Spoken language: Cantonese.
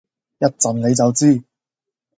一陣你就知